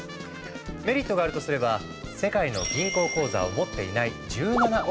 メリットがあるとすれば世界の銀行口座を持っていない１７億人もの人々。